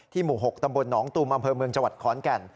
หมู่๖ตำบลหนองตุมอำเภอเมืองจังหวัดขอนแก่น